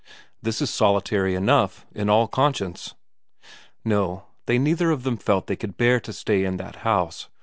' This is solitary enough, in all conscience.' No, they neither of them felt they could bear to stay in that house.